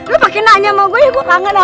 lu pake nanya sama gua ya gua kangen sama lu